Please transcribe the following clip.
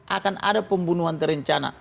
akan ada pembunuhan terencana